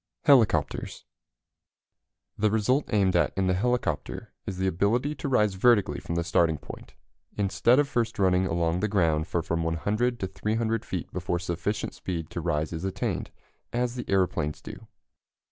HELICOPTERS. The result aimed at in the helicopter is the ability to rise vertically from the starting point, instead of first running along the ground for from 100 to 300 feet before sufficient speed to rise is attained, as the aeroplanes do.